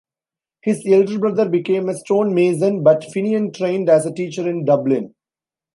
His elder brother became a stonemason but Finian trained as a teacher in Dublin.